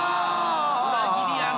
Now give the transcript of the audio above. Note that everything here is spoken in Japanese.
裏切りやな。